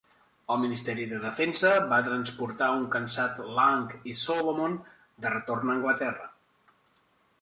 El Ministeri de Defensa va transportar un cansat Lang i Solomon de retorn a Anglaterra.